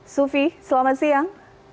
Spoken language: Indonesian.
sufi selamat siang